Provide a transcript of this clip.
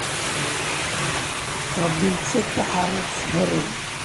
Ṛebbi ittak taḥeṛṛaṛt s berru.